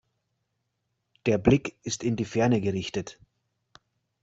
Der Blick ist in die Ferne gerichtet.